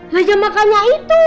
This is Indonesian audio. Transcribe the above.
lah ya makanya itu